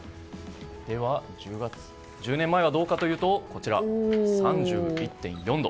では、１０年前はどうかというと３１．４度。